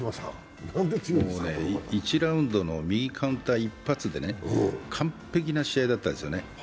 １ラウンドの右カウンター一発でね、完璧な試合だったですよね。